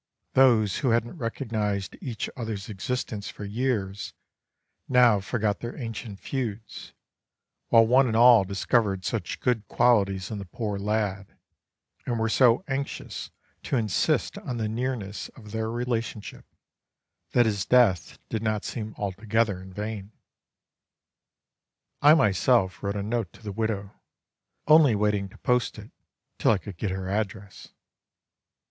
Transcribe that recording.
Those who hadn't recognised each other's existence for years now forgot their ancient feuds, while one and all discovered such good qualities in the poor lad, and were so anxious to insist on the nearness of their relationship, that his death did not seem altogether in vain. I myself wrote a note to the widow, only waiting to post it till I could get her address.